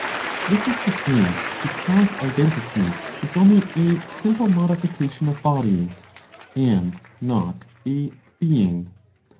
This is the case because identity is only a simple modification of bodies, and not a "being."